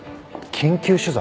緊急取材？